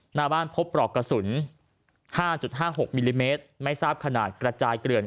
หน้าบ้านพบปลอกกระสุน๕๕๖มิลลิเมตรไม่ทราบขนาดกระจายเกลื่อน